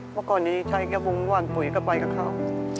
เมื่อก่อนนี้ใช้กระบุงหวานปุ๋ยก็ไปกับเขา